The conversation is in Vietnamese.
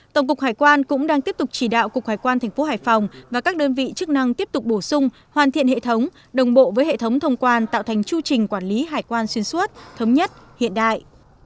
tổng cục hải quan cũng đang tiếp tục chỉ đạo cục hải quan thành phố hải phòng và các đơn vị chức năng tiếp tục bổ sung hoàn thiện hệ thống đồng bộ với hệ thống thông quan tạo thành chu trình quản lý hải quan xuyên suốt thống nhất hiện đại